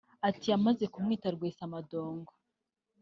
Ati “ Wamaze kumwita Rwesamadongo